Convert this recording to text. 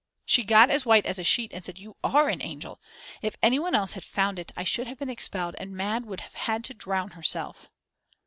She got as white as a sheet and said: "You are an angel. If any one else had found it, I should have been expelled and Mad. would have had to drown herself."